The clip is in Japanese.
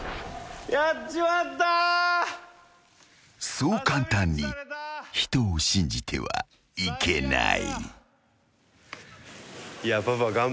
［そう簡単に人を信じてはいけない］